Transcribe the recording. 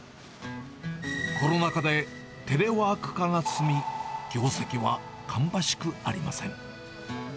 コロナ禍でテレワーク化が進み、業績は芳しくありません。